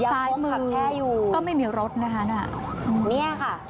ซ้ายมือก็ไม่มีรถนะคะหน้าเนี้ยค่ะ